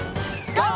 ＧＯ！